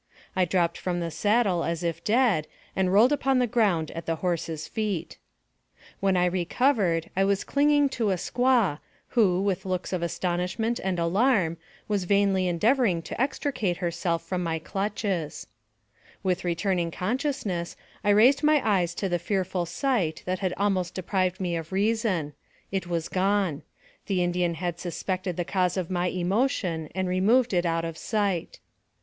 I dropped from the saddle as if dead, and rolled upon the ground at the horse's feet. When I recovered, I was clinging to a squaw, who, with looks of astonishment and alarm, was vainly endeavoring to extricate herself from my clutches. AMONG THE SIOUX INDIANS. 121 With returning consciousness, I raised my eyes to the fearful sight that had almost deprived me of reason ; it was gone. The Indian had suspected the cause of my emotion, and removed it out of sight.